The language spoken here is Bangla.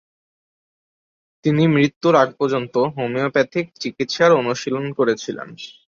তিনি মৃত্যুর আগ পর্যন্ত হোমিওপ্যাথিক চিকিৎসার অনুশীলন করেছিলেন।